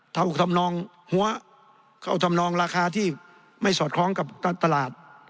ทำนองหัวเข้าทำนองราคาที่ไม่สอดคล้องกับตลาด